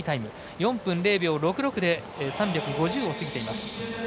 ４分０秒６６で３５０を過ぎています。